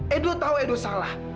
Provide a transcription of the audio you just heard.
ido tahu ido salah